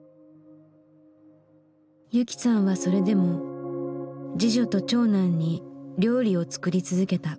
雪さんはそれでも次女と長男に料理を作り続けた。